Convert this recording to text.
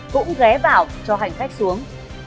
cũng ghé vào cho hành khách xuống